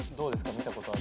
見たことある？